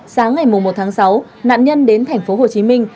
sáng ngày một tháng sáu nạn nhân đến thành phố hồ chí minh